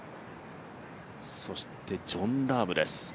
そしてジョン・ラームです。